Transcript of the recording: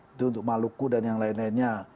itu untuk maluku dan yang lain lainnya